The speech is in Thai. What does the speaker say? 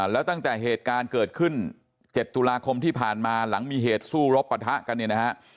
แล้วตั้งแต่เหตุการณ์เกิดขึ้น๗ตุลาคมที่ผ่านมาหลังมีเหตุสู้รบปะทะกันเนี่ยนะฮะ